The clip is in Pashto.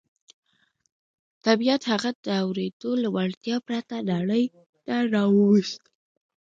طبيعت هغه د اورېدو له وړتيا پرته نړۍ ته راووست.